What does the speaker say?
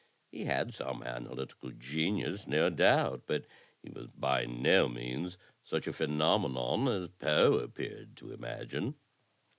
He had some analytical genius, no doubt; but he was by no means such a phenomenon as Poe appeared to imagine."